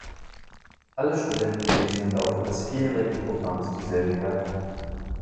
Alle Studenten lesen im Laufe des vierjährigen Programms dieselben Werke.